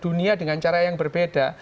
dunia dengan cara yang berbeda